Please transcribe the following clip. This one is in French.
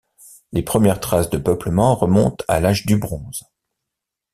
Les premières traces de peuplement remontent à l'âge du bronze.